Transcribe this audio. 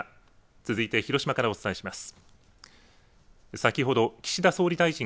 続いて広島からお伝えします。